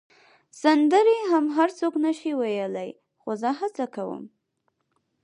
سندرې هم هر څوک نه شي ویلای، خو زه هڅه کوم.